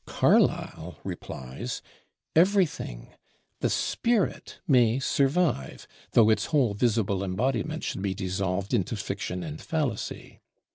Carlyle replies, Everything. The spirit may survive, though its whole visible embodiment should be dissolved into fiction and fallacy.